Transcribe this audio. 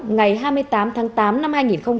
ngày hai mươi tám tháng tám năm hai nghìn một mươi chín